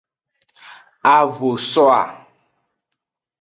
A vo so a.